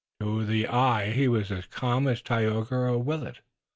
To the eye he was as calm as Tayoga or Willet.